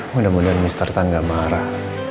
mudah mudahan mr tan gak marah